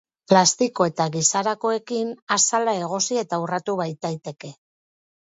Plastiko eta gisarakoekin azala egosi eta urratu baitaiteke.